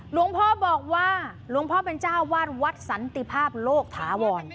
หลวงพ่อบอกว่าหลวงพ่อเป็นเจ้าวาดวัดสันติภาพโลกถาวร